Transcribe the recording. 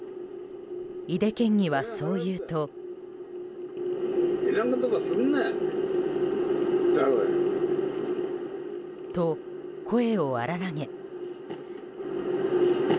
井手県議はそう言うと。と声を荒らげ。